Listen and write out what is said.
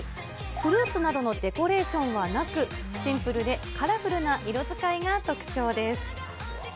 フルーツなどのデコレーションはなく、シンプルでカラフルな色使いが特徴です。